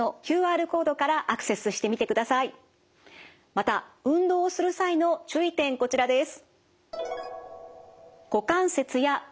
また運動をする際の注意点こちらです。